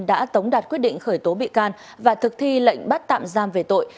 đã tống đạt quyết định khởi tố bị can và thực thi lệnh bắt tạm giam về tội